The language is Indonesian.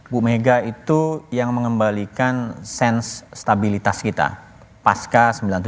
bu mega itu yang mengembalikan sens stabilitas kita pasca sembilan puluh tujuh sembilan puluh delapan